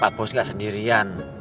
pak bos gak sendirian